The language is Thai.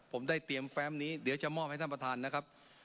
ผมได้เตรียมแฟมนี้เดี๋ยวจะมอบให้ท่านประธานนะครับ